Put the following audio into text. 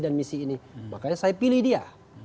dan misi ini makanya saya pilih dia